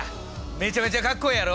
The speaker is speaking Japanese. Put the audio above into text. めちゃめちゃかっこええやろ！